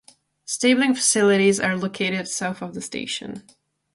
Stabling facilities are located south of the station.